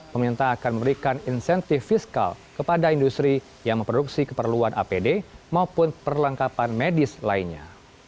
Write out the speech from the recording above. pemerintah akan memberikan insentif fiskal kepada industri yang memproduksi keperluan apd maupun perlengkapan medis lainnya